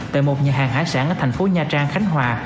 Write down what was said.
tại một nhà hàng hải sản ở thành phố nha trang khánh hòa